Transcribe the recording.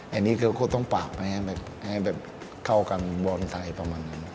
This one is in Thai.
อันนี้ก็ต้องปรับให้เข้ากันบอลไทยประมาณนั้น